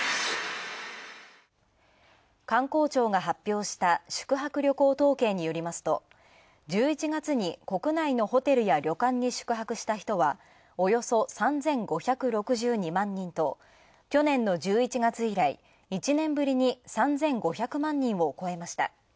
観光庁が発表した宿泊旅行統計によりますと１１月に国内のホテルや旅館に宿泊した人はおよそ３５６２万人と去年の１１月以来１年ぶりに３５００万人を超えました。